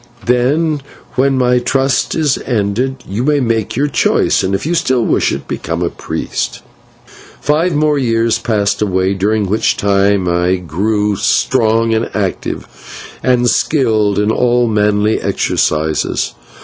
Then, when my trust is ended, you may make your choice, and, if you still wish it, become a priest." Five more years passed away, during which time I grew strong and active, and skilled in all manly exercises.